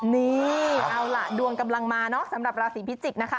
นี่เอาล่ะดวงกำลังมาเนอะสำหรับราศีพิจิกษ์นะคะ